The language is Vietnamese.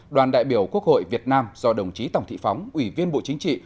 đoàn đại biểu quốc hội việt nam do đồng chí tổng thị phóng ủy viên bộ chính trị